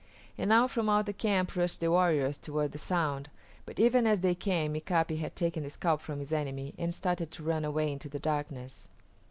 And now from out the camp rushed the warriors toward the sound, but even as they came Mika´pi had taken the scalp from his enemy and started to run away into the darkness.